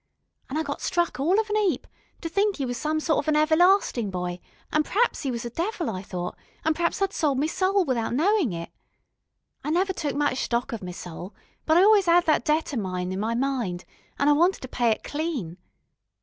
An' I got struck all of an 'eap, to think 'e was some sort of an everlasting boy, an' p'raps 'e was a devil, I thought, an' p'raps I'd sold me soul without knowin' it. I never took much stock of me soul, but I always 'ad that debt o' mine in me mind, an' I wanted to pay it clean.